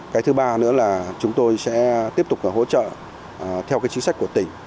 cái thứ ba nữa là chúng tôi sẽ tiếp tục hỗ trợ theo cái chính sách của tỉnh